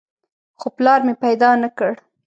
خو پلار مې پیدا نه کړ.